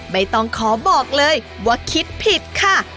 ไม่ต้องขอบอกเลยว่าคิดผิดค่ะ